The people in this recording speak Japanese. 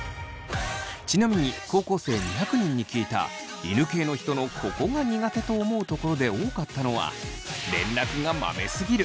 ちなみに高校生２００人に聞いた犬系の人のここが苦手と思うところで多かったのは。